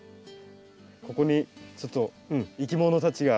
ここにちょっといきものたちが。